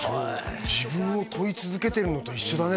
自分を問い続けてるのと一緒だね